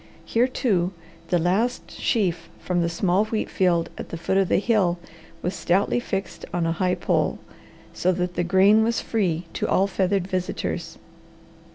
Here, too, the last sheaf from the small wheat field at the foot of the hill was stoutly fixed on a high pole, so that the grain was free to all feathered visitors.